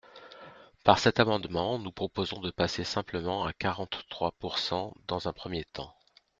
Par cet amendement, nous proposons de passer simplement à quarante-trois pourcent dans un premier temps.